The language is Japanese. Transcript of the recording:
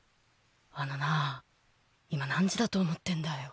あのなぁ今何時だと思ってんだよ。